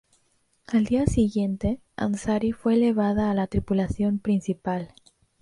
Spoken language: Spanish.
Al día siguiente, Ansari fue elevada a la tripulación principal.